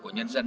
của nhân dân